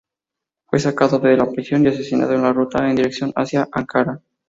Fue sacado de la prisión, y asesinado en la ruta en dirección hacia Ankara.